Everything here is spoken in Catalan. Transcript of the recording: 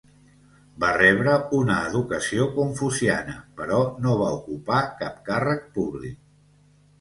Va rebre una educació confuciana però no va ocupar cap càrrec públic.